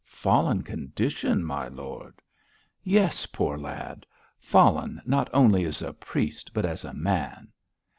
'Fallen condition, my lord?' 'Yes, poor lad! fallen not only as a priest, but as a man.